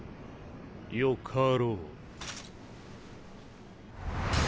よかろう。